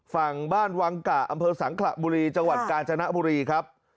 ฝั่งบ้านวังกะอำเภอสังขระบุรีจังหวัดกาญจนบุรีครับ